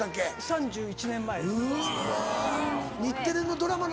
３１年前。